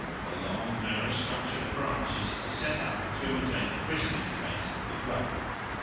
A long narrow structure of branches is set up to imitate the chrysalis case of the grub.